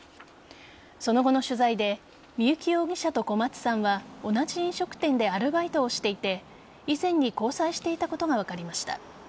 その後の取材で三幸容疑者と小松さんは同じ飲食店でアルバイトをしていて以前に交際していたことが分かりました。